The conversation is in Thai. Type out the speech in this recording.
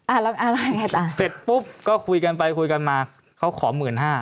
อ่าอ่าแล้วอ่าไงต่อเสร็จปุ๊บก็คุยกันไปคุยกันมาเขาขอหมื่นห้า